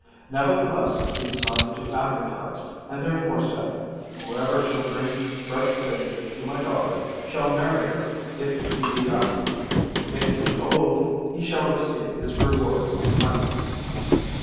Nevertheless he decided to advertise and therefore said: "Whoever shall bring fresh figs to my daughter shall marry her if he be young. If he be old he shall receive his reward in money."